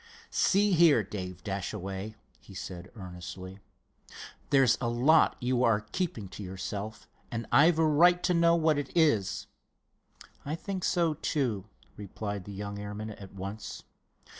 "See here, Dave Dashaway," he said, earnestly, "there's a lot you are keeping to yourself, and I've a right to know what it is." "I think so, too," replied the young airman at once.